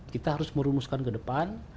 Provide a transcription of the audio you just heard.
kita harus merumuskan ke depan